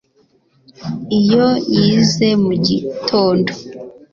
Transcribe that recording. Iyo yize mu gitondo